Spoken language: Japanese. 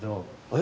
え？